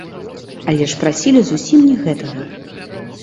Але ж прасілі зусім не гэтага.